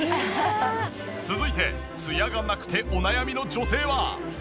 続いてツヤがなくてお悩みの女性は。